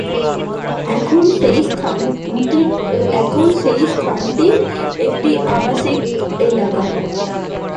এখন সেই স্থানটি একটি আবাসিক এলাকা।